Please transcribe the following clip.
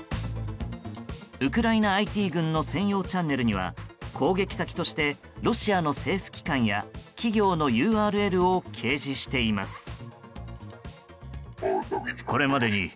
ウクライナＩＴ軍の専用チャンネルには攻撃先としてロシアの政府機関や企業のＵＲＬを掲示しています。